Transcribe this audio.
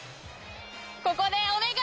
ここでお願い！